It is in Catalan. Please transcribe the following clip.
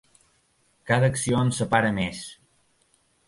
Cada acció ens separa més.